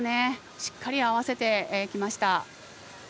しっかり合わせてきました。